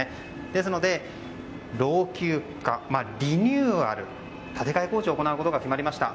ですので、老朽化リニューアル、建て替え工事をすることが決まりました。